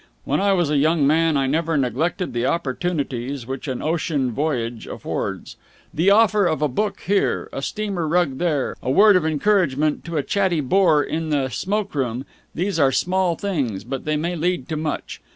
When I was a young man I never neglected the opportunities which an ocean voyage affords. The offer of a book here, a steamer rug there, a word of encouragement to a chatty bore in the smoke room these are small things, but they may lead to much.